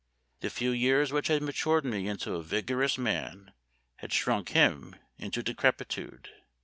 The few years which had matured me into a vigorous man had shrunk him into decrepitude.